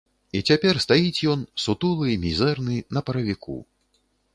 І цяпер стаіць ён, сутулы, мізэрны, на паравіку.